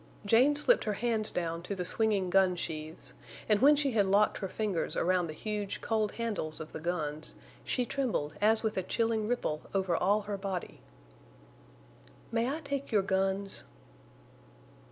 Jane slipped her hands down to the swinging gun sheaths, and when she had locked her fingers around the huge, cold handles of the guns, she trembled as with a chilling ripple over all her body. "May I take your guns?"